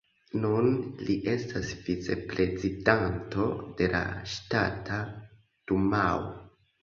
Nun li estas vicprezidanto de la Ŝtata Dumao.